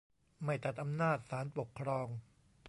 ไม่ตัดอำนาจศาลปกครอง